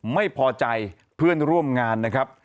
ไม่พอใจเพื่อนร่วมงานนะครับ